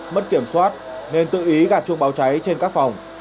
mất kiểm soát nên tự ý gạt chuông báo cháy trên các phòng